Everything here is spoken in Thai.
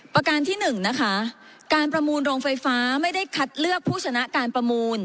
ประการที่๑นะคะการประมูลโรงไฟฟ้าไม่ได้คัดเลือกผู้ชนะการประมูล